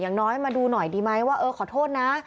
อย่างน้อยมาดูหน่อยดีไหมว่าเออขอโทษนะ